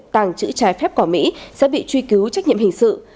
tàng trữ trái phép cỏ mỹ sẽ bị truy cứu trách nhiệm hình sự